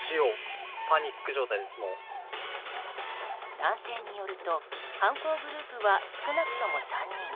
男性によると犯行グループは少なくとも３人。